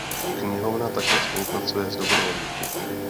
Knihovna také spolupracuje s dobrovolníky.